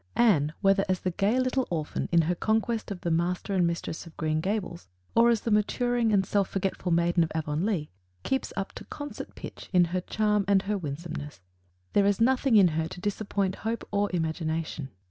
Anne, whether as the gay little orphan in her conquest of the master and mistress of Green Gables, or as the maturing and self forgetful maiden of Avonlea, keeps up to concert pitch in her charm and her winsomeness. There is nothing in her to disappoint hope or imagination.